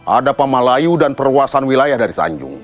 ada pamalayu dan perluasan wilayah dari tanjung